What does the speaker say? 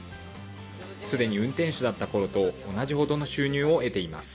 すでに、運転手だったころと同じ程の収入を得ています。